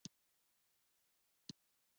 آزاد تجارت مهم دی ځکه چې آنلاین کورسونه رسوي.